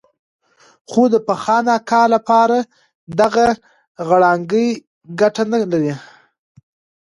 خو د فخان اکا لپاره دغه غړانګې ګټه نه لري.